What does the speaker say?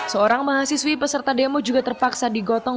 seorang mahasiswi peserta demo juga terpaksa digotong